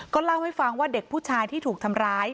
เล่าให้ฟังว่าเด็กผู้ชายที่ถูกทำร้าย